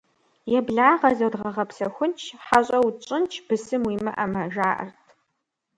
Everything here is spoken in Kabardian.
«Еблагъэ, зодгъэгъэпсэхунщ, хьэщӀэ утщӀынщ, бысым уимыӀэмэ!» - жаӀэрт.